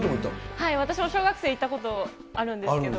私も小学生のとき行ったことあるんですけど。